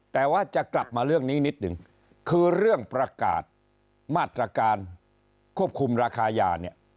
แต่ว่าจะกลับมาเรื่องนี้นิดหนึ่งคือเรื่องประกาศมาตรการควบคุมราคายาเนี่ย